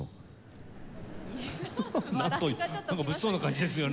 なんか物騒な感じですよね。